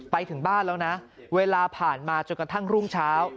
ไปถึงบ้านแล้วนะเวลาผ่านมาจนกระทั่งรุ่งเช้า